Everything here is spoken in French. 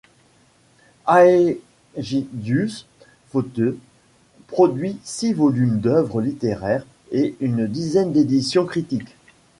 Ægidius Fauteux produit six volumes d’œuvres littéraires et une dizaine d’éditions critiques.